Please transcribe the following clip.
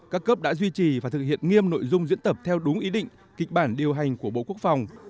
các cấp đã duy trì và thực hiện nghiêm nội dung diễn tập theo đúng ý định kịch bản điều hành của bộ quốc phòng